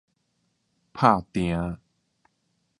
拍定